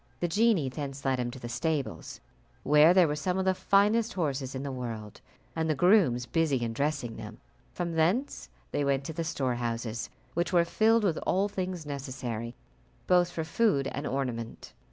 The genie thence led him to the stables, where were some of the finest horses in the world, and the grooms busy in dressing them; from thence they went to the storehouses, which were filled with all things necessary, both for food and ornament.